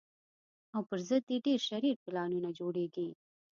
او پر ضد یې ډېر شرير پلانونه جوړېږي